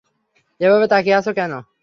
এভাবে তাকিয়ে আছো কেন?